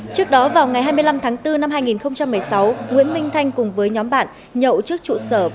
trước đó vào ngày hai mươi năm tháng bốn năm hai nghìn một mươi sáu nguyễn minh thanh cùng với nhóm bạn nhậu trước trụ sở